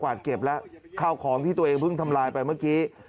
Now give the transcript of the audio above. เก็บแล้วข้าวของที่ตัวเองเพิ่งทำลายไปเมื่อกี้